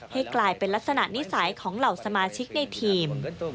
ให้กลายเป็นลักษณะนิสัยของเหล่าสมาชิกในทีม